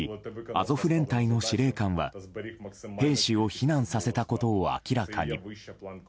アゾフ連隊の司令官は兵士を避難させたことを明らかに。